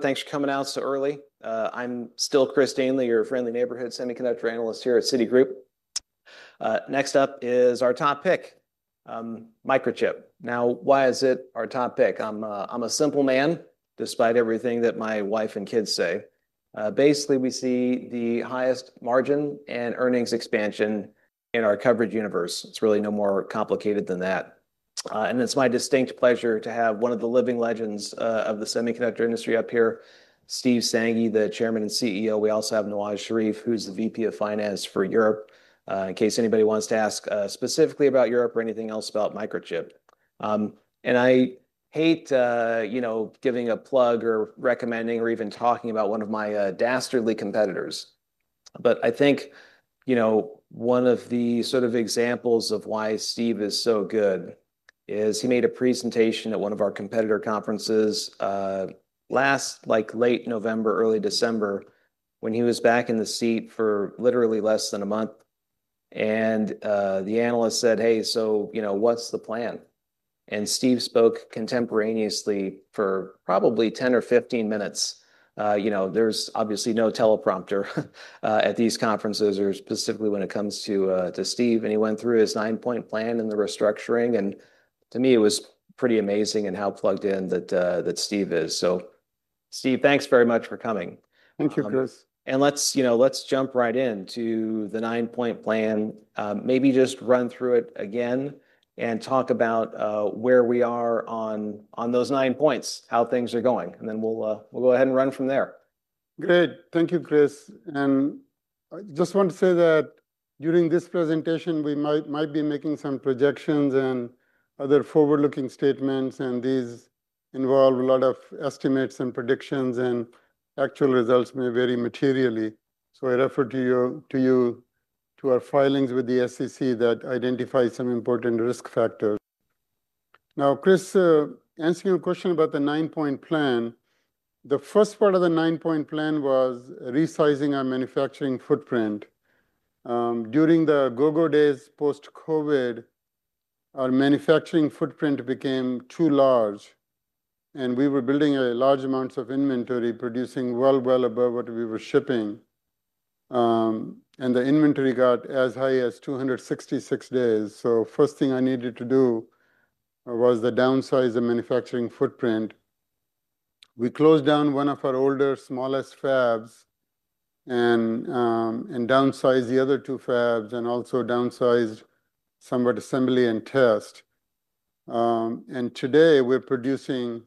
Thanks for coming out so early. I'm still Chris Dainley, your friendly neighborhood semiconductor analyst here at Citigroup. Next up is our top pick, Microchip. Now why is it our top pick? I'm simple man despite everything that my wife and kids say. Basically, we see the highest margin and earnings expansion in our coverage universe. It's really no more complicated than that. And it's my distinct pleasure to have one of the living legends of the semiconductor industry up here, Steve Sanghi, the chairman and CEO. We also have Nawaj Sharif, who's the VP of finance for Europe. In case anybody wants to ask specifically about Europe or anything else about Microchip. And I hate, you know, giving a plug or recommending or even talking about one of my dastardly competitors. But I think, you know, one of the sort of examples of why Steve is so good is he made a presentation at one of our competitor conferences last like, late November, early December when he was back in the seat for literally less than a month. And the analyst said, hey. So, you know, what's the plan? And Steve spoke contemporaneously for probably ten or fifteen minutes. You know, there's obviously no teleprompter at these conferences or specifically when it comes to to Steve. And he went through his nine point plan and the restructuring. And to me, it was pretty amazing and how plugged in that that Steve is. So, Steve, thanks very much for coming. Thank you, Chris. And let's, you know, let's jump right into the nine point plan. Maybe just run through it again and talk about where we are on on those nine points, how things are going, and then we'll we'll go ahead and run from there. Great. Thank you, Chris. And I just want to say that during this presentation, we might might be making some projections and other forward looking statements, and these involve a lot of estimates and predictions, and actual results may vary materially. So I refer to you to you to our filings with the SEC that identify some important risk factor. Now, Chris, answering your question about the nine point plan, the first part of the nine point plan was resizing our manufacturing footprint. During the go go days post COVID, our manufacturing footprint became too large, and we were building a large amounts of inventory producing well well above what we were shipping. And the inventory got as high as two hundred sixty six days. So first thing I needed to do was to downsize the manufacturing footprint. We closed down one of our older, smallest fabs and and downsize the other two fabs and also downsize somewhat assembly and test. And today, we're producing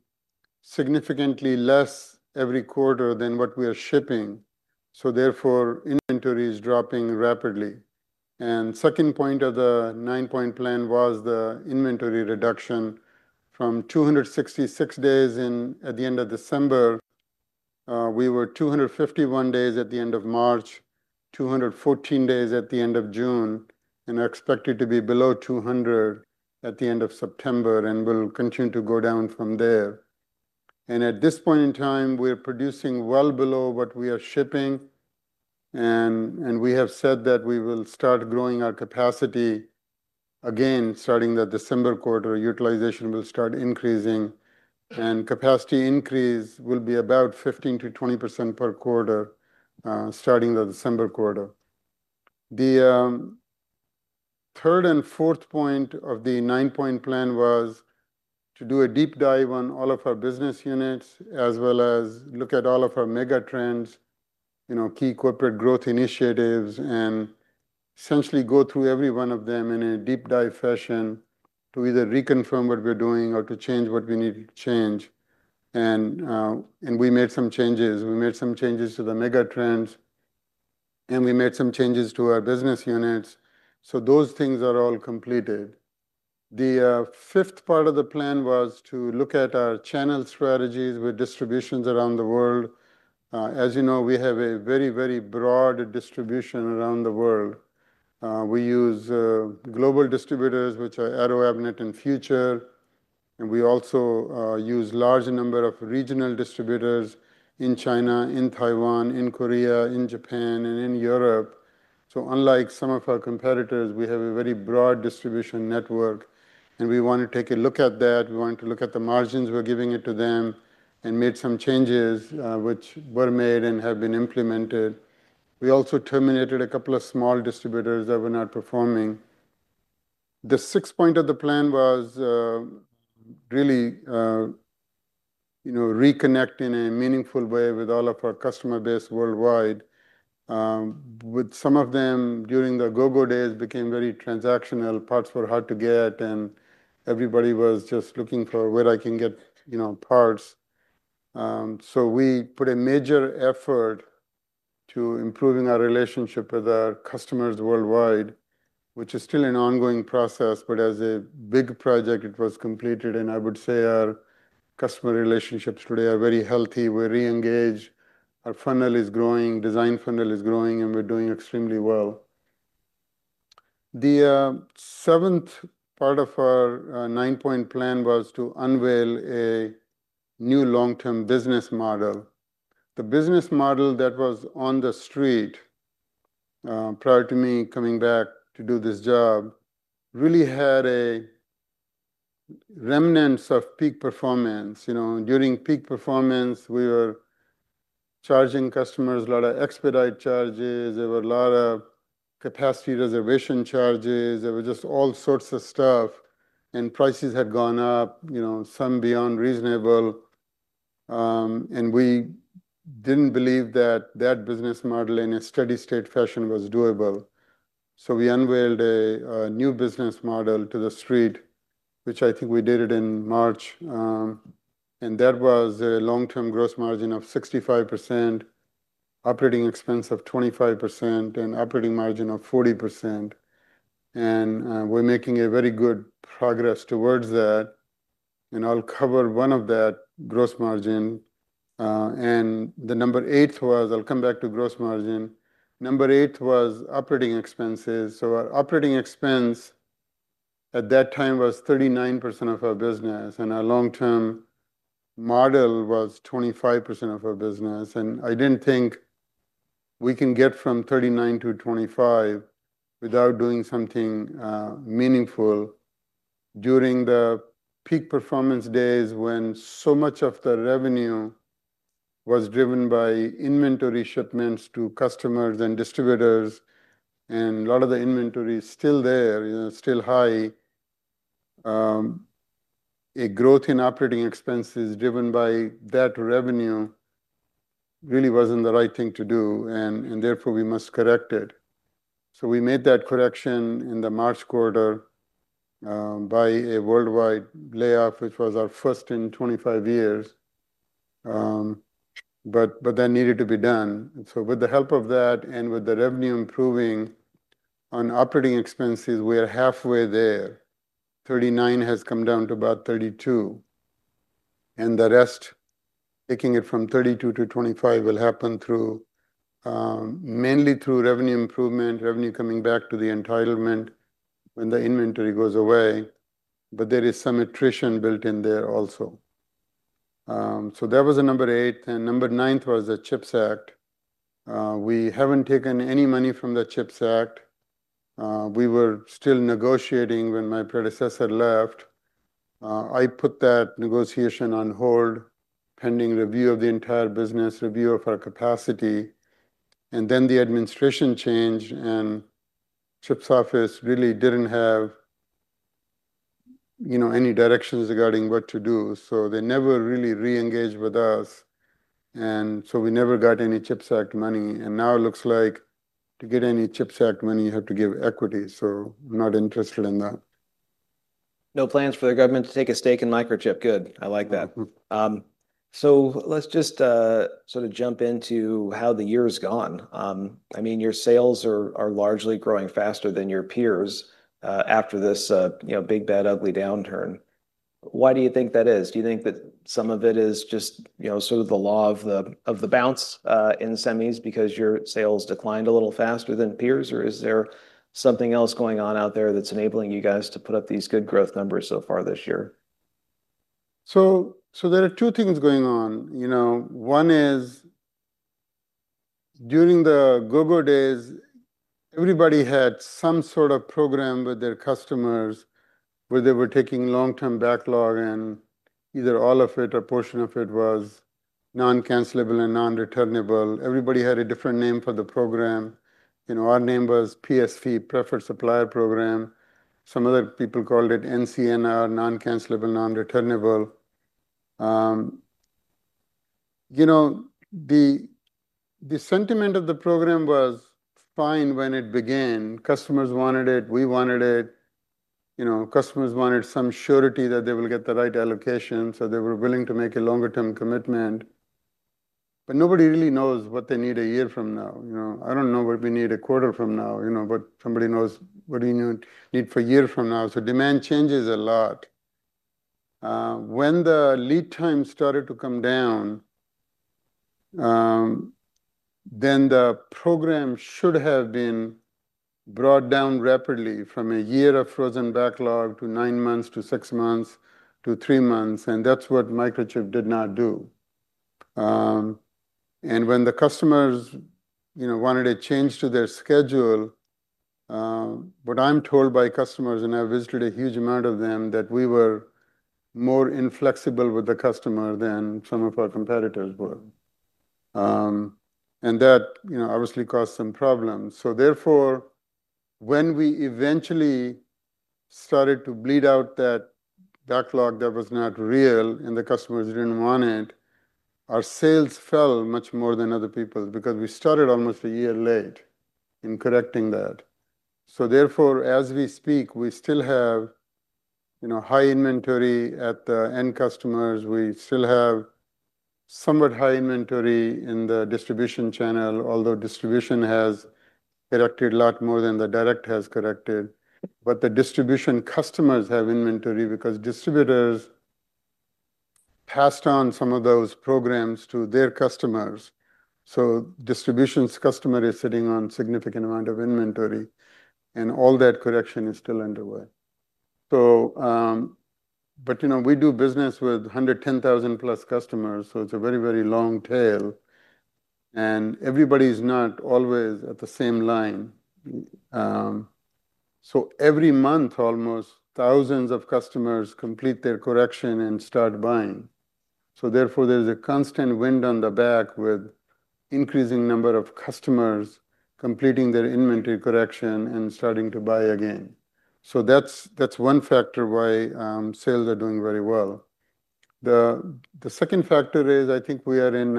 significantly less every quarter than what we are shipping. So therefore, inventory is dropping rapidly. And second point of the nine point plan was the inventory reduction two hundred sixty six days in at the December. We were two hundred fifty one days at the March, two hundred fourteen days at the June, and are expected to be below 200 at at the the end end of of September and will continue to go down from there. And at this point in time, we are producing well below what we are shipping, and and we have said that we will start growing our capacity again starting the December. Utilization will start increasing, and capacity increase will be about 15 to 20% per quarter starting the December. The third and fourth point of the nine point plan was to do a deep dive on all of our business units as well as look at all of our megatrends, you know, key corporate growth initiatives, and essentially essentially go through every one of them in a deep dive fashion to either reconfirm what we're doing or to change what we need to change. And and we made some changes. We made some changes to the megatrends, and we made some changes to our business units. So those things are all completed. The fifth part of the plan was to look at our channel strategies with distributions around the world. As you know, we have a very, very broad distribution around the world. We use global distributors, which are Arrow, Avnet and Future, and we also use large number of regional distributors in China, in Taiwan, in Korea, in Japan and in Europe. So unlike some of our competitors, we have a very broad distribution network and we want to take a look at that. We want to look at the margins we are giving it to them and made some changes which were made and have been implemented. Also terminated a couple of small distributors that were not performing. The six point of the plan was really, you know, reconnect in a meaningful way with all of our customer base worldwide. With some of them during the go go days became very transactional, parts were hard to get, and everybody was just looking for where I can get, you know, parts. So we put a major effort to improving our relationship with our customers worldwide, which is still an ongoing process. But as a big project, it was completed, and I would say our customer relationships today are very healthy. We're reengaged. Our funnel is growing design funnel is growing and we're doing extremely well. The seventh part of our nine point plan was to unveil a new long term business model. The business model that was on the street prior to me coming back to do this job really had a remnants of peak performance. You know? During peak performance, we were charging customers a lot of expedite charges. There were a lot of capacity reservation charges. There were just all sorts of stuff, and prices had gone up, you know, some beyond reasonable. And we didn't believe that that business model in a steady state fashion was doable. So we unveiled a new business model to the street, which I think we did it in March, And that was a long term gross margin of 65%, operating expense of 25, and operating margin of 40%. And we're making a very good progress towards that, And I'll cover one of that gross margin. And the number eight was I'll come back to gross margin. Number eight was operating expenses. So our operating expense at at that time was 39% of our business, and our long term model was 25% of our business. And I didn't think we can get from 39 to 25 without doing something meaningful during the peak performance days when so much of the revenue was driven by inventory shipments to customers and distributors, and lot of the inventory is still there, you know, still high. A growth in operating expenses driven by that revenue really wasn't the right thing to do, and and therefore, we must correct it. So we made that correction in the March by a worldwide layoff, which was our first in twenty five years, but but that needed to be done. So with the help of that and with the revenue improving on operating expenses, are halfway there. 39 has come down to about 32. And the rest, taking it from 32 to 25 will happen through mainly through revenue improvement, revenue coming back to the entitlement when the inventory goes away, but there is some attrition built in there also. So that was the number eight. And number ninth was the Chips Act. We haven't taken any money from the CHIPS Act. We were still negotiating when my predecessor left. I put that negotiation on hold pending review of the entire business, review of our capacity, And then the administration changed, and Chip's office really didn't have, you know, any directions regarding what to do. So they never really reengaged with us, and so we never got any chipset money. And now it looks like to get any chipset money, you have to give equity. So not interested in that. No plans for the government to take a stake in Microchip. Good. I like that. So let's just sort of jump into how the year has gone. I mean, sales are largely growing faster than your peers after this, you know, big, bad, ugly downturn. Why do you think that is? Do you think that some of it is just, you know, sort of the law of the of the bounce in semis because your sales declined a little faster than peers, or is there something else going on out there that's enabling you guys to put up these good growth numbers so far this year? So so there are two things going on. You know? One is during the Google days, everybody had some sort of program with their customers where they were taking long term backlog and either all of it or portion of it was noncancelable and nonreturnable. Everybody had a different name for the program. You know, our name was PSP, preferred supplier program. Some other people called it NCNR, noncancelable, nonreturnable. You know, the the sentiment of the program was fine when it began. Customers wanted it. We wanted it. You know, customers wanted some surety that they will get the right allocation, so they were willing to make a longer term commitment. But nobody really knows what they need a year from now. You know? I don't know what we need a quarter from now, you know, but somebody knows what do you need need for a year from now. So demand changes a lot. When the lead time started to come down, then the program should have been brought down rapidly from a year of frozen backlog to nine months to six months to to three months, and that's what Microchip did not do. And when the customers, you know, wanted a change to their schedule, what I'm told by customers, and I visited a huge amount of them, that we were inflexible with the customer than some of our competitors were. And that, you know, obviously caused some problems. So, therefore, when we eventually started to bleed out that backlog that was not real and the customers didn't want it, our sales fell much more than other people because we started almost a year late in correcting that. So therefore, as we speak, we still have, you know, high inventory at the end customers. We still have somewhat high inventory in the distribution channel, although distribution has corrected a lot more than the direct has corrected. But the distribution customers have inventory because distributors passed on some of those programs to their customers. So distributions customer is sitting on significant amount of inventory, and all that correction is still underway. So but, you know, we do business with 110,000 plus customers, so it's a very, very long tail. And everybody is not always at the same line. So every month almost thousands of customers complete their correction and start buying. So therefore, there's a constant wind on the back with increasing number of customers completing their inventory correction and starting to buy again. So that's that's one factor why sales are doing very well. The the second factor is I think we are in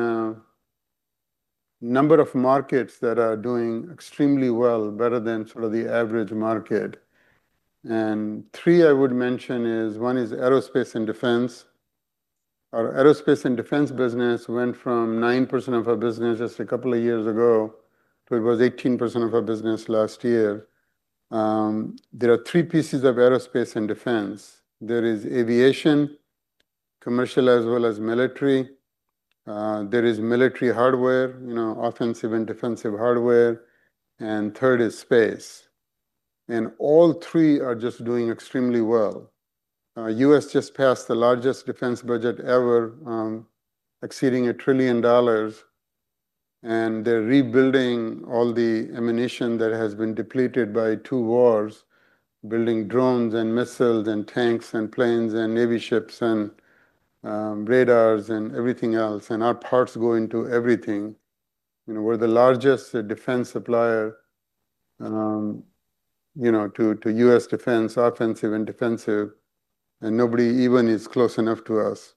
a number of markets that are doing extremely well better than sort of the average market. And three I would mention is one is aerospace and defense. Our aerospace and defense business went from 9% of our business just a couple of years ago to it was 18% of our business last year. There are three pieces of aerospace and defense. There is aviation, commercial as well as military. There is military hardware, you know, offensive and defensive hardware, and third is space. And all three are just doing extremely well. US just passed the largest defense budget ever exceeding a trillion dollars, and they're rebuilding all the ammunition that has been depleted by two wars, building drones and missiles and tanks and planes and navy ships and radars and everything else, and our parts go into everything. You know, we're the largest defense supplier, you know, to to US defense, offensive, and defensive, and nobody even is close enough to us.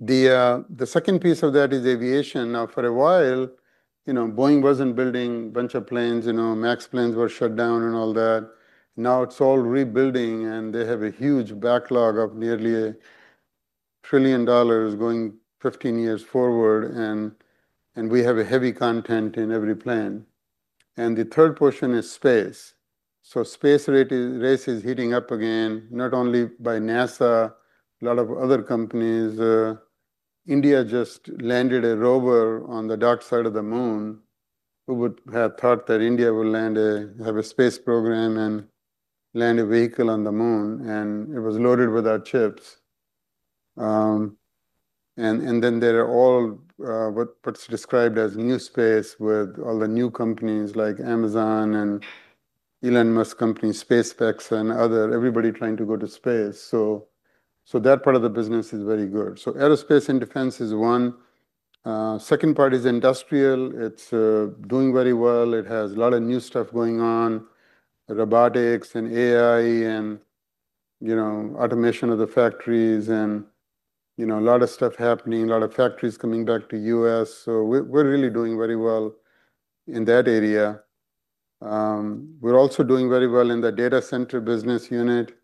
The the second piece of that is aviation. Now for a while, you know, Boeing wasn't building a bunch of planes, you know, MAX planes were shut down and all that. Now it's all rebuilding, and they have a huge backlog of nearly a trillion dollars going fifteen years forward, and and we have a heavy content in every plan. And the third portion is space. So space rate is race is heating up again, not only by NASA, a lot of other companies. India just landed a rover on the dark side of the moon. Who would have thought that India will land a have a space program and land a vehicle on the moon, and it was loaded without chips. And and then they're all what what's described as new space with all the new companies like Amazon and Elon Musk companies, SpaceX, and other everybody trying to go to space. So so that part of the business is very good. So aerospace and defense is one. Second part is industrial. It's doing very well. It has lot of new stuff going on, robotics and AI and, you know, automation of the factories and, you know, a lot of stuff happening, a lot of factories coming back to US. So we're we're really doing very well in that area. We're also doing very well in the data center business unit.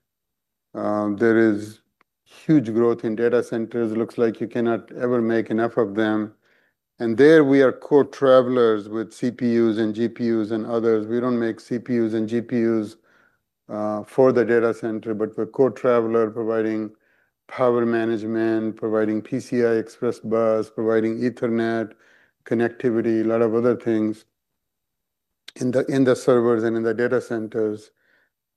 There is huge growth in data centers. Looks like you cannot ever make enough of them. And there, we are core travelers with CPUs and GPUs and others. We don't make CPUs and GPUs for the data center, but we're core traveler providing power management, providing PCI Express bus, providing Ethernet connectivity, lot of other things in the in the servers and in the data centers.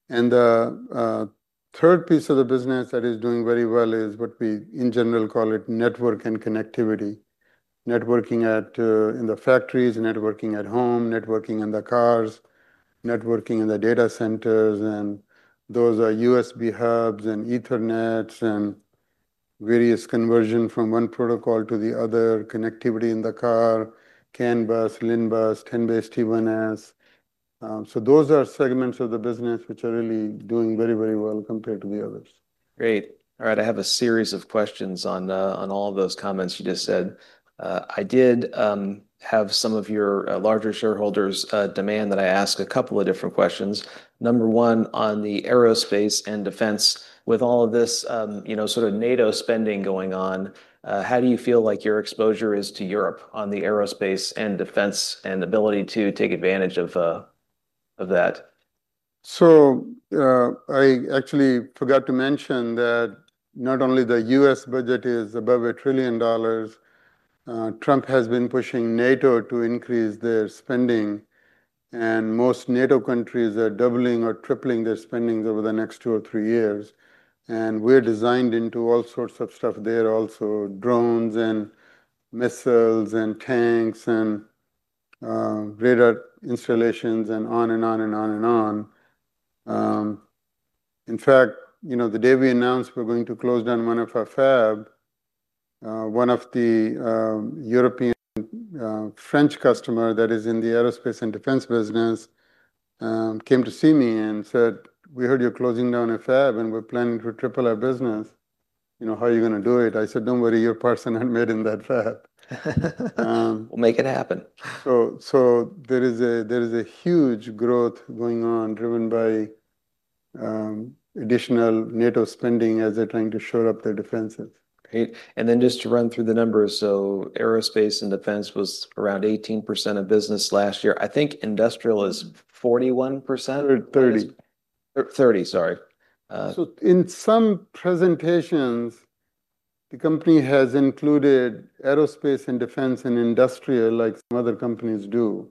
And the third piece of the business that is doing very well is what we, in general, call it network and connectivity. Networking at in the factories, networking at home, networking in the cars, networking in the data centers, and those are USB hubs and Ethernet and various conversion from one protocol to the other, connectivity in the car, CAN bus, LIN bus, TenBased t one s. So those are segments of the business which are really doing very, very well compared to the others. Great. Alright. I have a series of questions on on all of those comments you just said. I did have some of your larger shareholders demand that I ask a couple of different questions. Number one, on the aerospace and defense. With all of this, you know, sort of NATO spending going on, how do you feel like your exposure is to Europe on the aerospace and defense and ability to take advantage of of that? So I actually forgot to mention that not only The US budget is above a trillion dollars, Trump has been pushing NATO to increase their spending, and most NATO countries are doubling or tripling their spending over the next two or three years. And we're designed into all sorts of stuff there also, drones and missiles and tanks and radar installations and on and on on and on. In fact, you know, the day we announced we're going to close down one of our fab, one of the European customer that is in the aerospace and defense business came to see me and said, we heard you're closing down a fab, and we're planning to triple our business. You know, how are you gonna do it? I said, don't worry. Your person had made in that fab. We'll make it happen. So so there is a there is a huge growth going on driven by additional NATO spending as they're trying to shore up their defenses. Great. And then just to run through the numbers, so aerospace and defense was around 18% of business last year. I think industrial is 41 Or 30. 30. Sorry. So in some presentations, company has included aerospace and defense and industrial like some other companies do.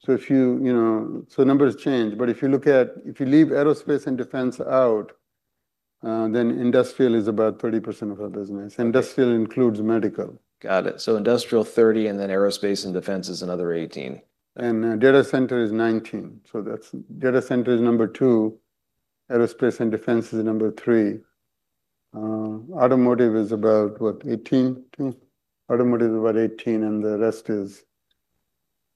So if you, you know so numbers change. But if you look at if you leave aerospace and defense out, then industrial is about 30% of our business. Industrial includes medical. Got it. So industrial 30, and then aerospace and defense is another 18. And data center is 19. So that's data center is number two. Aerospace and defense is number three. Automotive is about, what, 18? Automotive is about 18, and the rest is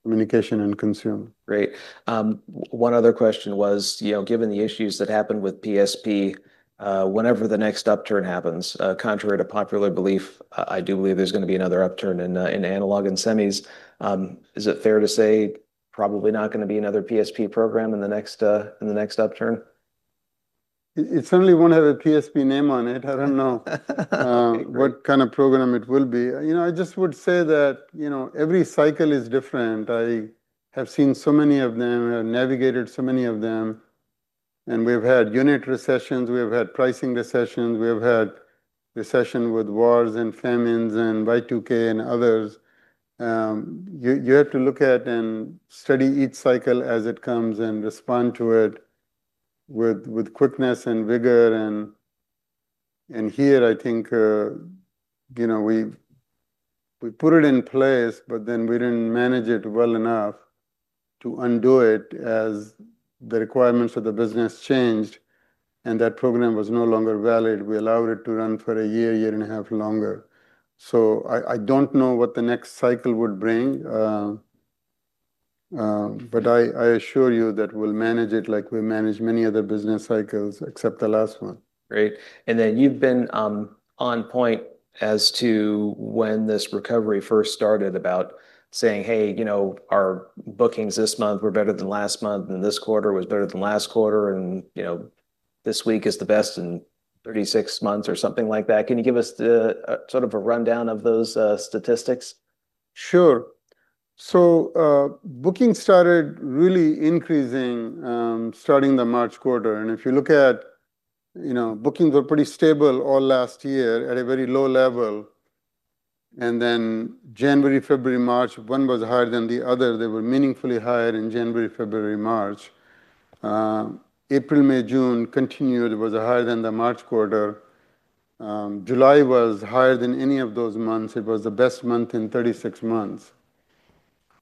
communication and consumer. Great. One other question was, you know, given the issues that happened with PSP, whenever the next upturn happens, contrary to popular belief, I do believe there's gonna be another upturn in in analog and semis. Is it fair to say probably not gonna be another PSP program in the next in the next upturn? It certainly won't have a PSP name on it. I don't know what kind of program it will be. You know, I just would say that, you know, every cycle is different. I have seen so many of them and navigated so many of them, and we've had unit recessions. We have had pricing recessions. We have had recession with wars and famines and y two k and others. You you have to look at and study each cycle as it comes and respond to it with with quickness and vigor. And and here, I think, you know, we've we put it in place, but then we didn't manage it well enough to undo it as the requirements of the business changed. And that program was no longer valid. We allowed it to run for a year, year and a half longer. So I I don't know what the next cycle would bring, but I I assure you that we'll manage it like we manage many other business cycles except the last one. Great. And then you've been on point as to when this recovery first started about saying, hey, you know, our bookings this month were better than last month, and this quarter was better than last quarter, and, you know, this week is the best in thirty six months or something like that. Can you give us the sort of a rundown of those statistics? Sure. So bookings started really increasing starting the March. And if you look at, bookings were pretty stable all last year at a very low level. And then January, February, March, one was higher than the other. They were meaningfully higher in January, February, March. April, May, June continued, it was higher than the March. July was higher than any of those months, it was the best month in thirty six months.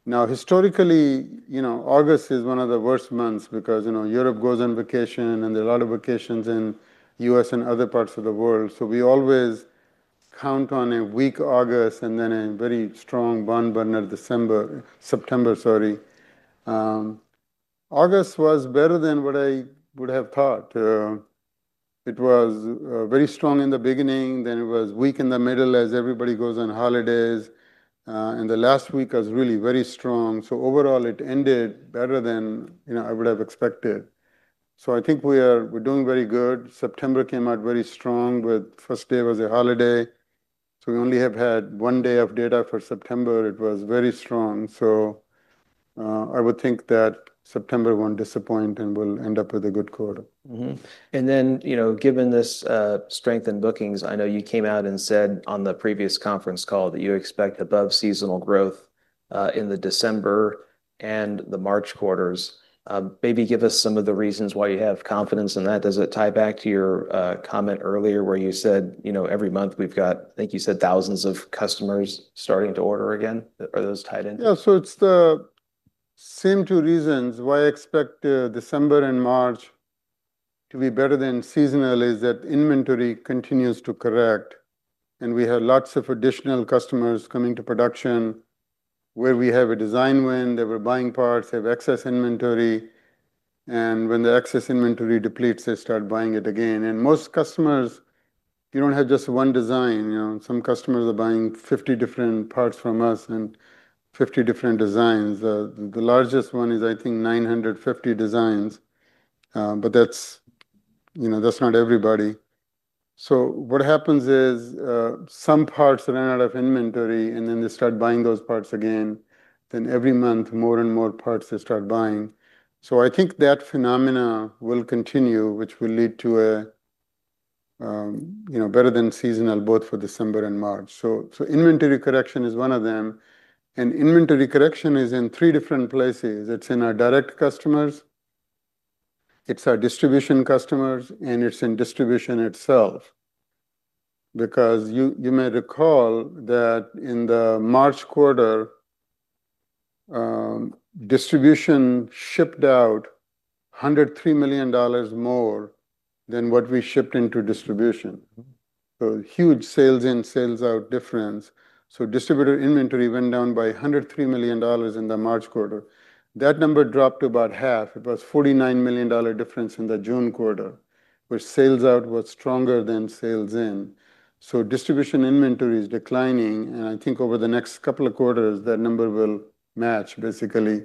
Now historically, August is one of the worst months because you know, Europe goes on vacation and there are a lot of vacations in US and other parts of the world. So we always count on a weak August and then a very strong bond, but not December September, sorry. August was better than what I would have thought. It was very strong in the beginning, then it was weak in the middle as everybody goes on holidays, and the last week was really very strong. So overall, it ended better than I would have expected. So I think we are we're doing very good. September came out very strong with first day was a holiday. So we only have had one day of data for September. It was very strong. So I would think that September won't disappoint and we'll end up with a good quarter. Mhmm. And then, you know, given this strength in bookings, I know you came out and said on the previous conference call that you expect above seasonal growth in the December and the March quarters. Maybe give us some of the reasons why you have confidence in that. Does it tie back to your comment earlier where you said, you know, every month we've got, I think you said, thousands of customers starting to order again? Are those tied in? Yeah. So it's the same two reasons why I expect December and March to be better than seasonal is that inventory continues to correct, and we have lots of additional customers coming to production where where we have a design win. They were buying parts, have excess inventory. And when the excess inventory depletes, they start buying it again. And most customers, you don't have just one design, you know. Some customers are buying 50 different parts from us and 50 different designs. The largest one is, I think, 950 designs. But that's, you know, that's not everybody. So what happens is some parts that are out of inventory, and then they start buying those parts again. Then every month, more and more parts they start buying. So I think that phenomena will continue, which will lead to a, you know, better than seasonal both for December and March. So so inventory correction is one of them. And inventory correction is in three different places. It's in our direct customers, it's our distribution customers, and it's in distribution itself. Because you you may recall that in the March, distribution shipped out $103,000,000 more than what we shipped into distribution. So huge sales in, sales out difference. So So distributor inventory went down by $103,000,000 in the March. That number dropped to about half. It was $49,000,000 difference in the June, where sales out was stronger than sales in. So distribution inventory is declining, and I think over the next couple of quarters, that number will match, basically.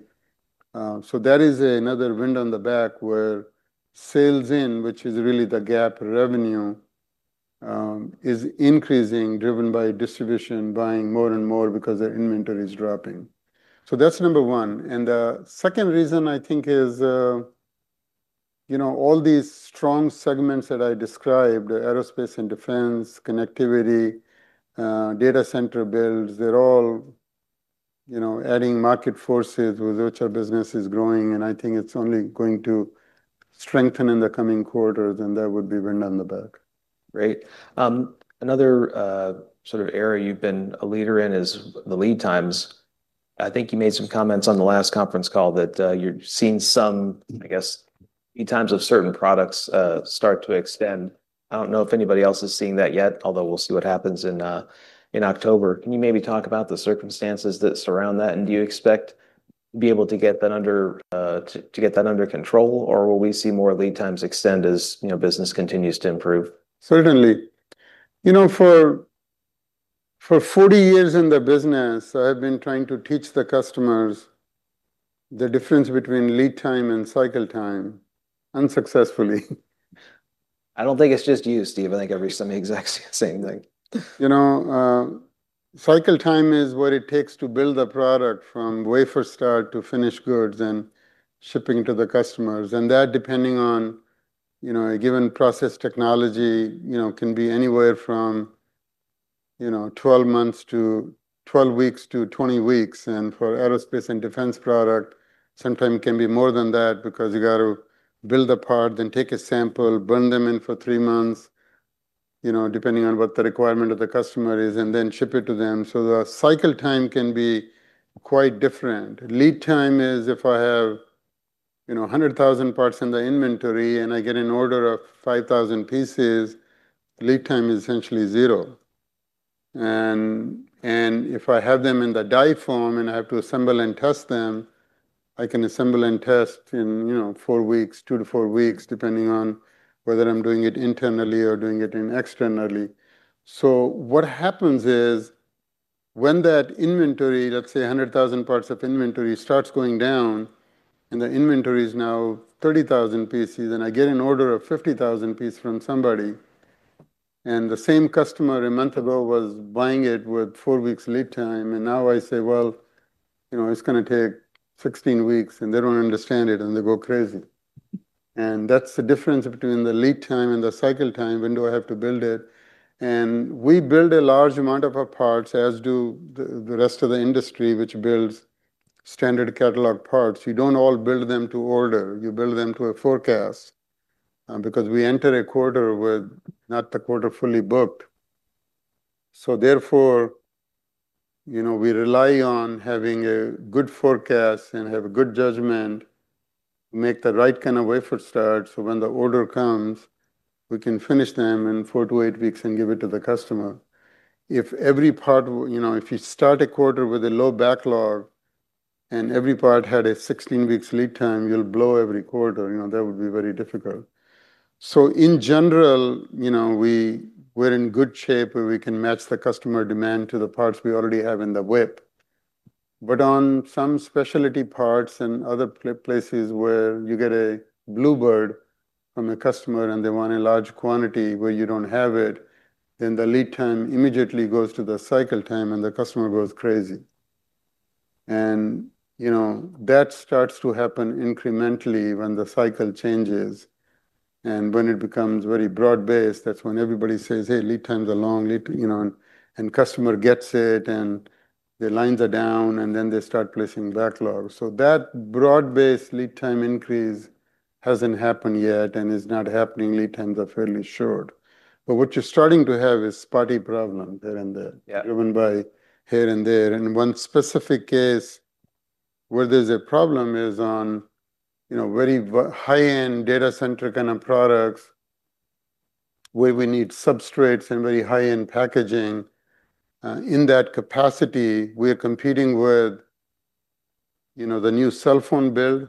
So that is another wind on the back where sales in, which is really the GAAP revenue, is increasing driven by distribution buying more and more because their inventory is dropping. So that's number one. And the second reason, I think, is, you know, all these strong segments that I described, the aerospace and defense, connectivity, data center builds, they're all, you know, adding market forces with which our business is growing, and I think it's only going to strengthen in the coming quarters, and there would be wind on the back. Great. Another sort of area you've been a leader in is the lead times. I think you made some comments on the last conference call that you're seeing some, I guess, lead times of certain products start to extend. I don't know if anybody else has seen that yet, although we'll see what happens in October. Can you maybe talk about the circumstances that surround that? And do you expect to be able to get that under to to get that under control, or will we see more lead times extend as, you know, business continues to improve? Certainly. You know, for for forty years in the business, I've been trying to teach the customers the difference between lead time and cycle time unsuccessfully. I don't think it's just you, Steve. I think every some exact same thing. You know, cycle time is what it takes to build a product from wafer start to finished goods and shipping to the customers. And that depending on, you know, a given process technology, you know, can be anywhere from, you know, twelve months to twelve weeks to twenty weeks. And for aerospace and defense product, sometime it can be more than that because you gotta build a part and take a sample, burn them in for three months, you know, depending on what the requirement of the customer is, and then ship it to them. So the cycle time can be quite different. Lead time is if I have, you know, a 100,000 parts in the inventory and I get an order of 5,000 pieces, lead time is essentially zero. And and if I have them in the die form and I have to assemble and test them, I can assemble and test in, you know, four weeks, two to four weeks depending on whether I'm doing it internally or doing it externally. So what happens is when that inventory, let's say, 100,000 parts of inventory starts going down and the inventory is now 30,000 pieces and I get an order of 50,000 piece from somebody and the same customer a month ago was buying it with four weeks lead time, and now I say, well, you know, it's gonna take sixteen weeks, and they don't understand it, and they go crazy. And that's the difference between the lead time and the cycle time. When do I have to build it? And we build a large amount of our parts as do the the rest of the industry which builds standard catalog parts. You don't all build them to order. You build them to a forecast because we enter a quarter with not the quarter fully booked. So therefore, you know, we rely on having a good forecast and have a good judgment, make the right kind of wafer starts. So when the order comes, we can finish them in four to eight weeks and give it to the customer. If every part you know, if you start a quarter with a low backlog and every part had a sixteen weeks lead time, you'll blow every quarter, you know, that would be very difficult. So in general, you know, we we're in good shape where we can match the customer demand to the parts we already have in the web. But on some specialty parts and other places where you get a bluebird from the customer and they want a large quantity where you don't have it, then the lead time immediately goes to the cycle time and the customer goes crazy. And, you know, that starts to happen incrementally when the cycle changes. And when it becomes very broad based, that's everybody says, hey. Lead times are long. Lead you know, and and customer gets it, and their lines are down, and then they start placing backlog. So that broad based lead time increase hasn't happened yet and is not happening. Lead times are fairly short. What you're starting to have is spotty problem there and there Yeah. Driven by here and there. And one specific case where there's a problem is on, you know, very high end data center kind of products where we need substrates and very high end packaging. In that capacity, we are competing with, you know, the new cell phone build.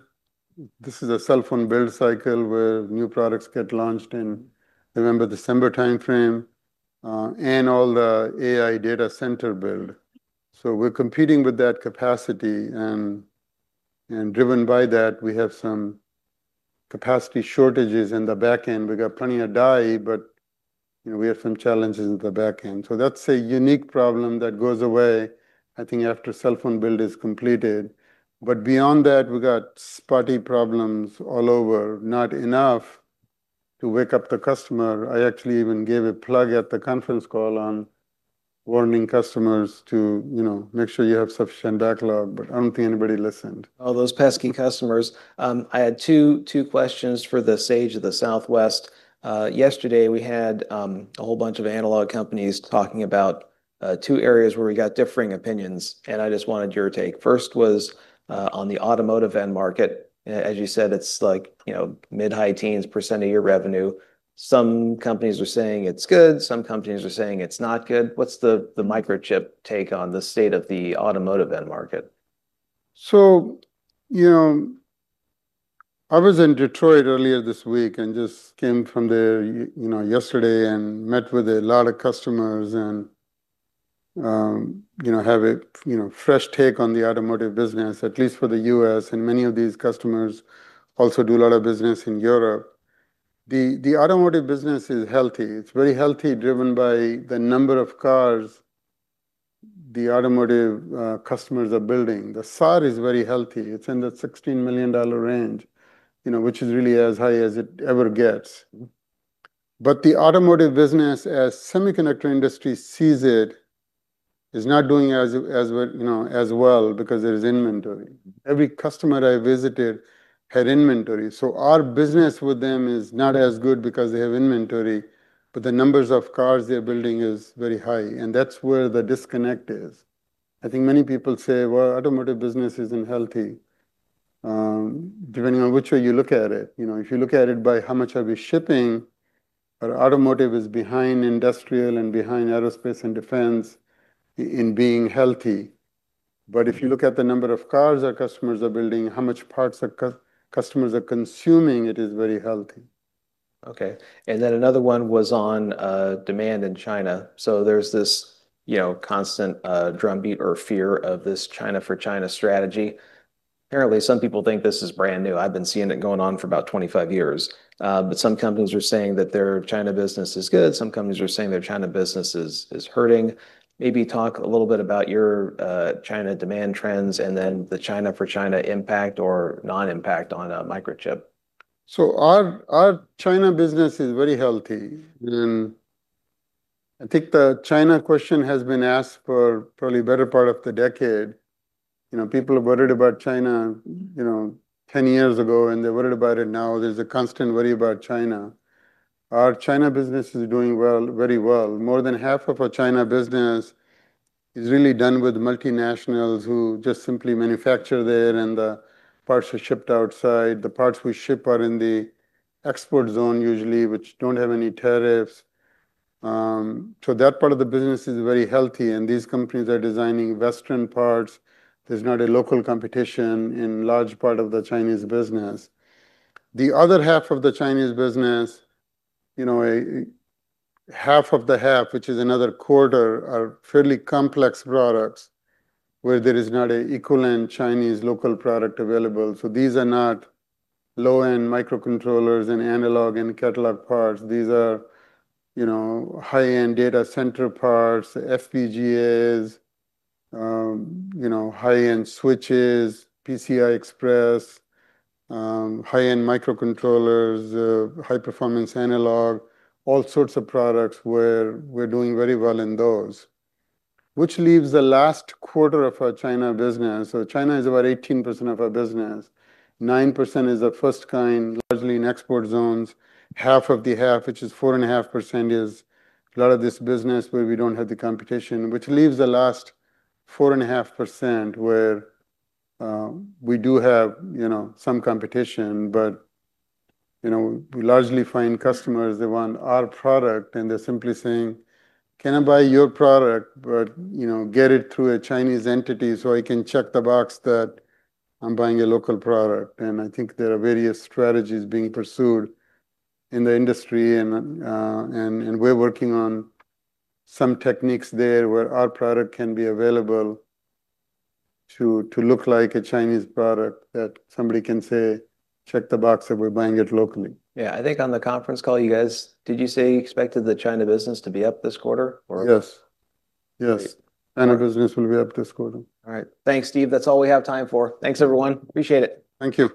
This is a cell phone build cycle where new products get launched in November time frame and all the AI data center build. So we're competing with that capacity. And and driven by that, we have some capacity shortages in the back end. We got plenty of die, but, you know, we have some challenges in the back end. So that's a unique problem that goes away, I think, after cell phone build is completed. But beyond that, we got spotty problems all over, not enough to wake up the customer. I actually even gave a plug at the conference call on warning customers to, you know, make sure you have sufficient backlog, but I don't think anybody listened. All those pesky customers. I had two two questions for the sage of the Southwest. Yesterday, we had a whole bunch of analog companies talking about two areas where we got differing opinions, and I just wanted your take. First was on the automotive end market. As you said, it's like, you know, mid high teens percent of your revenue. Some companies are saying it's good. Some companies are saying it's not good. What's the the microchip take on the state of the automotive end market? So, you know, I was in Detroit earlier this week and just came from there, you you know, yesterday and met with a lot of customers and, you know, have a, you know, fresh take on the automotive business, at least for The US. And many of these customers also do a lot of business in Europe. The the automotive business is healthy. It's very healthy driven by the number of cars the automotive customers are building. The SAAR is very healthy. It's in that $16,000,000 range, you know, which is really as high as it ever gets. But the automotive business as semiconductor industry sees it is not doing as as well, you know, as well because there's inventory. Every customer I visited had inventory. So our business with them is not as good because they have inventory, but the numbers of cars they're building is very high, and that's where the disconnect is. I think many people say, well, automotive business isn't healthy, depending on which way you look at it. You know, if you look at it by how much are we shipping, our automotive is behind industrial and behind aerospace and defense in being healthy. But if you look at the number of cars our customers are building, how much parts our customers are consuming, it is very healthy. Okay. And then another one was on demand in China. So there's this, you know, constant drumbeat or fear of this China for China strategy. Apparently, people think this is brand new. I've been seeing it going on for about twenty five years. But some companies are saying that their China business is good. Some companies are saying their China business is is hurting. Maybe talk a little bit about your China demand trends and then the China for China impact or nonimpact on a microchip. So our our China business is very healthy. And I think the China question has been asked for probably better part of the decade. You know, people have worried about China, you know, ten years ago, and they're worried about it now. There's a constant worry about China. Our China business is doing well very well. More than half of our China business is really done with multinationals who just simply manufacture there and the parts are shipped outside. The parts we ship are in the export zone usually, which don't have any tariffs. So that part of the business is very healthy, and these companies are designing western parts. There's not a local competition in large part of the Chinese business. The other half of the Chinese business, you know, half of the half, which is another quarter, are fairly complex products where there is not a equal end Chinese local product available. So these are not low end microcontrollers and analog and catalog parts. These are, you know, high end data center parts, FPGAs, you know, high end switches, PCI Express, high end microcontrollers, high performance analog, all sorts of products where we're doing very well in those, which leaves the last quarter of our China business. So China is about 18% of our business. 9% is the first kind, largely in export zones. Half of the half, which is four and a half percent is a lot of this business where we don't have the competition, which leaves the last four and a half percent where we do have, you know, some competition. But, you know, we largely find customers. They want our product, and they're simply saying, can I buy your product, but, you know, get it through a Chinese entity so I can check the box that I'm buying a local product? And I think there are various strategies being pursued in the industry, and and and we're working on some techniques there where our product can be available to to look like a Chinese product that somebody can say, check the box and we're buying it locally. Yeah. I think on the conference call, guys, did you say you expected the China business to be up this quarter? Or Yes. Yes. China business will be up this quarter. All right. Thanks, Steve. That's all we have time for. Thanks, everyone. Appreciate it. Thank you.